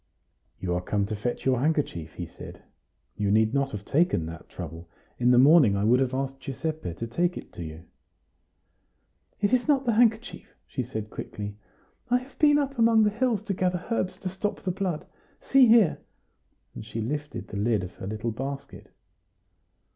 "You are come to fetch your handkerchief," he said. "You need not have taken that trouble. In the morning I would have asked Giuseppe to take it to you." "It is not the handkerchief," she said quickly. "I have been up among the hills to gather herbs to stop the blood; see here." And she lifted the lid of her little basket.